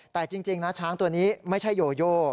แต่จริงนะช้างตัวนี้ไม่ใช่โยโย